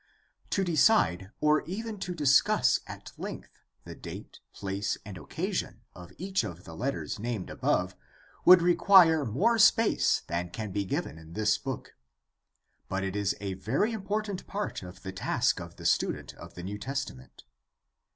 To decide, or even to discuss at length, the date, place, and occasion of each of the letters named above would require more space than can be given in this book. But it is a very important part of the task of the student of the New Testa ment.